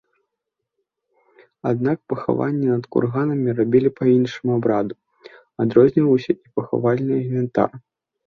Аднак пахаванні над курганамі рабілі па іншаму абраду, адрозніваўся і пахавальны інвентар.